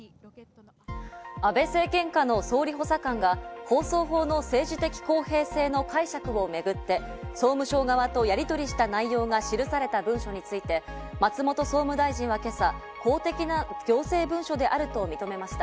安倍政権下の総理補佐官が放送法の政治的公平性の解釈をめぐって、総務省側とやりとりした内容が記された文書について、松本総務大臣は今朝、公的な行政文書であると認めました。